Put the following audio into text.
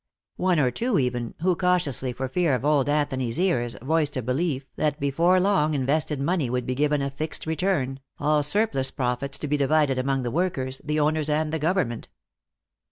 One or two, even, who, cautiously for fear of old Anthony's ears, voiced a belief that before long invested money would be given a fixed return, all surplus profits to be divided among the workers, the owners and the government.